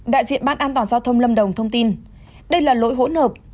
đại diện ban an toàn giao thông lâm đồng thông tin đây là lỗi hỗn hợp